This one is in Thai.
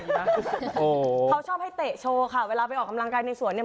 โอ้โหเขาชอบให้เตะโชว์ค่ะเวลาไปออกกำลังกายในสวนเนี่ย